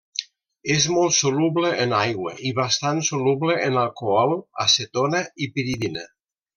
És molt soluble en aigua i bastant soluble en alcohol, acetona i piridina.